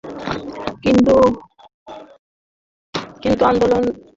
কিন্তু আন্দোলনকারী দলের কয়েকজন সদস্য রাজনৈতিক দল গঠন করার প্রচেষ্টা করলে তিনি আন্দোলন ত্যাগ করেন।